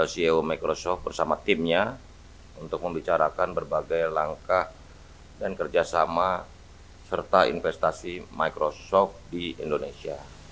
ceo microsoft bersama timnya untuk membicarakan berbagai langkah dan kerjasama serta investasi microsoft di indonesia